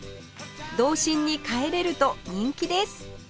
童心に帰れると人気です